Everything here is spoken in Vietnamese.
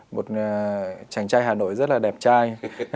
một chàng trai hà nội rất là đẹp trai